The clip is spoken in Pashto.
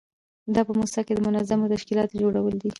دا په موسسه کې د منظمو تشکیلاتو جوړول دي.